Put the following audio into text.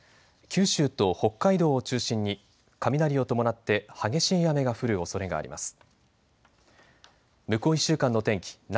九州と北海道を中心に雷を伴って激しい雨が降るおそれがあります。